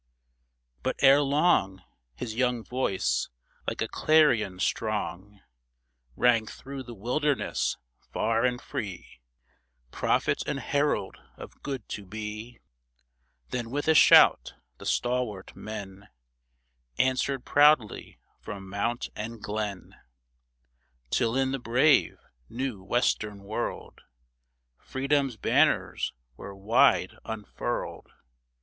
But erelong His young voice, like a clarion strong, Rang through the wilderness far and free, Prophet and herald of good to be ! Then with a shout the stalwart men Answered proudly from mount and glen, Till in the brave, new, western world Freedom's banners were wide unfurled